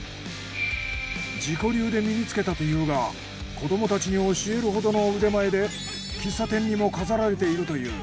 自己流で身につけたというが子どもたちに教えるほどの腕前で喫茶店にも飾られているという。